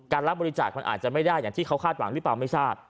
รับบริจาคมันอาจจะไม่ได้อย่างที่เขาคาดหวังหรือเปล่าไม่ทราบ